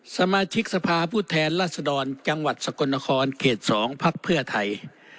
สมาชิกสภาผู้แทนรัศดรจังหวัดสกลนครเขต๒พักเพื่อไทย